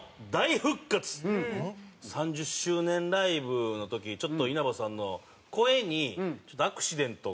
３０周年ライブの時ちょっと稲葉さんの声にアクシデントが起こりまして。